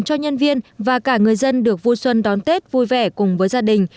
cho nhân viên và cả người dân được vui xuân đón tết vui vẻ cùng với gia đình